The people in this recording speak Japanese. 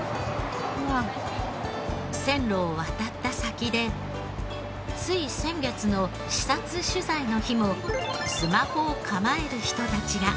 線路を渡った先でつい先月の視察取材の日もスマホを構える人たちが。